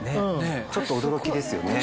ちょっと驚きですよね。